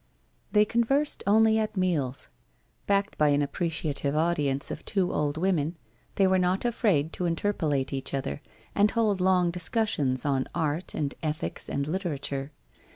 They conversed only at meals. Backed by an appre ciative audience of two old women, they were not afraid to interpolate each other, and hold long discussions on art, and ethics, and literature.